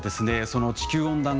その地球温暖化